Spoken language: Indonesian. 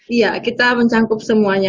iya kita mencangkup semuanya